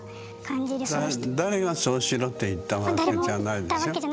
誰がそうしろって言ったわけじゃないんでしょう？